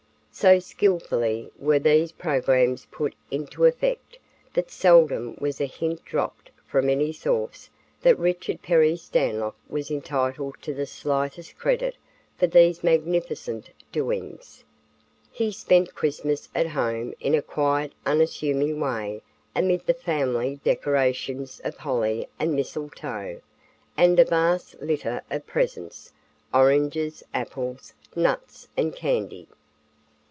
So skilfully were these programs put into effect that seldom was a hint dropped from any source that Richard Perry Stanlock was entitled to the slightest credit for these magnificent doings. He spent Christmas at home in a quiet unassuming way amid the family decorations of holly and mistletoe, and a vast litter of presents, oranges, apples, nuts, and candy.